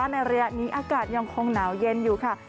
ในระยะนี้อากาศยังคงหนาวเย็นอยู่ค่ะ